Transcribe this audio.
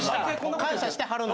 感謝してはるの？